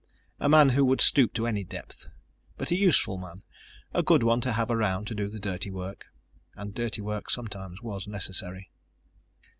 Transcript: A man who would stoop to any depth. But a useful man, a good one to have around to do the dirty work. And dirty work sometimes was necessary.